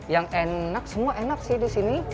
yang enak semua enak sih disini